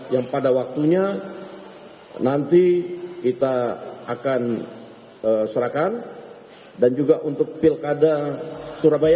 yang pada waktunya nanti kita akan serahkan dan juga untuk pilkada surabaya